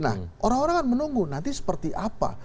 nah orang orang akan menunggu nanti seperti apa